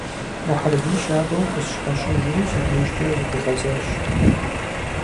Мухьэрбий щабэу къысщхьэщыжри си дежкӀэ зыкъигъэзащ.